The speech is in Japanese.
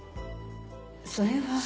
それは。